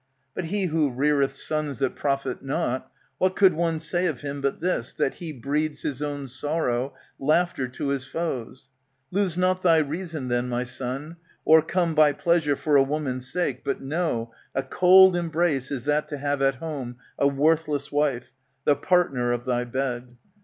But he who reareth sons that profit not, What could one say of him but this, that he Breeds his own sorrow, laughter to his foes ? *Lose not thy reason, then, my son, o'ercome By pleasure, for a woman's sake, but know, A cold embrace is that to have at home ^^ A worthless wife, the partner of thy bed.